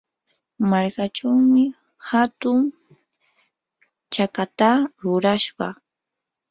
markachawmi hatun chakata rurayashqa.